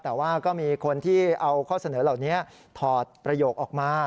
แต่ว่าก็มีคนที่เอาข้อเสนอเหล่านี้ถอดประโยคออกมา